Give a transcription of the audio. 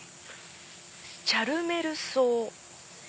「チャルメルソウ」。